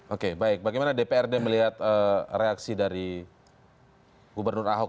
oke baik bagaimana dprd melihat reaksi dari gubernur ahok